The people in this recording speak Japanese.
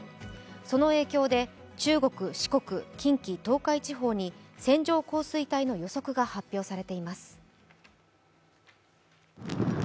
その影響で中国、四国、近畿、東海地方に線状降水帯の予測が発表されています。